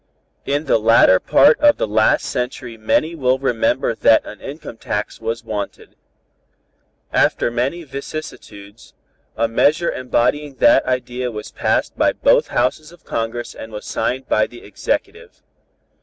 In the latter part of the last century many will remember that an income tax was wanted. After many vicissitudes, a measure embodying that idea was passed by both Houses of Congress and was signed by the Executive.